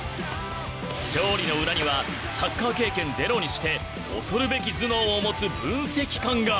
勝利の裏にはサッカー経験ゼロにして恐るべき頭脳を持つ分析官が。